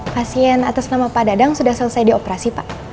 pasien atas nama pak dadang sudah selesai dioperasi pak